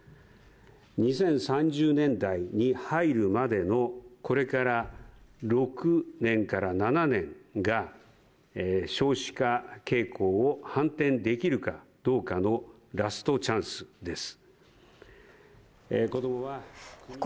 ２０３０年代に入るまでのこれから６年から７年が少子化傾向を反転できるかどうかのラストチャンスです。